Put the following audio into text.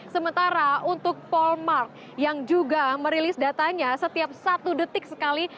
sementara untuk polmark yang juga merilis datanya setiap satu detik sekali